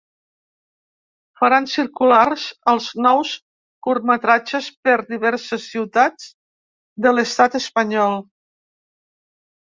Faran circulars els nous curtmetratges per diverses ciutats de l’estat espanyol.